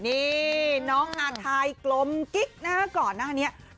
นี่น้องอาทายกลมกิ๊กหน้าก่อนนะ